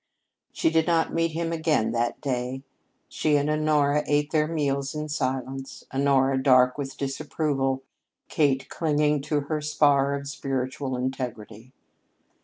She did not meet him again that day. She and Honora ate their meals in silence, Honora dark with disapproval, Kate clinging to her spar of spiritual integrity.